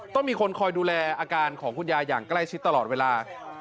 ต้องมีคนคอยดูแลอาการของคุณยายอย่างใกล้ชิดตลอดเวลา